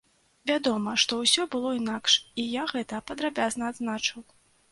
Вядома, што ўсё было інакш, і я гэта падрабязна адзначыў.